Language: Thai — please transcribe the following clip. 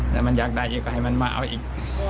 แต่มันอยากได้เยอะก็ให้มันมาเอาอีก